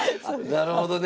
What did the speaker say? なるほどね。